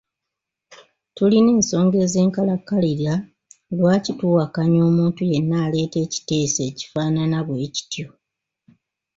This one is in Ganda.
Tulina ensonga ez’enkalakkalira lwaki tuwakanya omuntu yenna aleeta ekiteeso ekifaanana bwekityo.